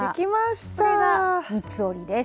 これが三つ折りです。